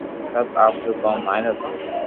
سب آپري ڪوم ماھر ھتو